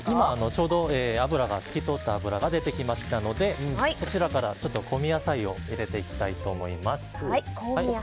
ちょうど透き通った脂が出てきましたのでこちらから香味野菜を入れていきたいと思います。